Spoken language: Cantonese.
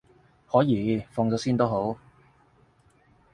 可以，放咗先都好